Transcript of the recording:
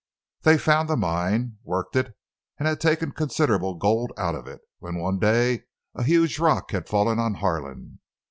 They had found the mine, worked it, and had taken considerable gold out of it, when one day a huge rock had fallen on Harlan.